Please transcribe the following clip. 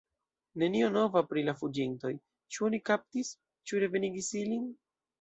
Nenio nova pri la fuĝintoj: ĉu oni kaptis, ĉu revenigis ilin?